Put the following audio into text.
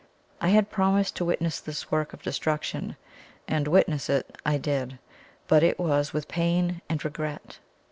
I had promised to witness this work of destruction, and witness it I did, but it was with pain and regret.